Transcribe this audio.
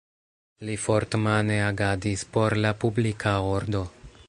Li fort-mane agadis por la publika ordo.